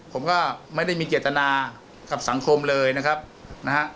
ผมก็ไม่ได้มีเจตนากับสังคมเลยนะครับนะฮะ